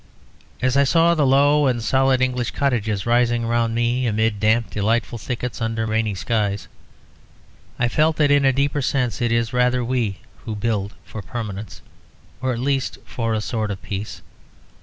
As I saw the low and solid English cottages rising around me amid damp delightful thickets under rainy skies, I felt that in a deeper sense it is rather we who build for permanence or at least for a sort of peace.